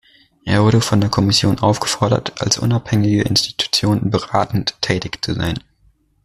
Er wurde von der Kommission aufgefordert, als unabhängige Institution beratend tätig zu sein.